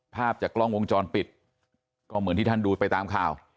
ภาพจากกล้องวงจรปิดก็เหมือนที่ท่านดูไปตามข่าว